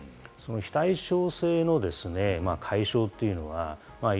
非対称性の解消というのはい